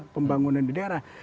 pembangunan di daerah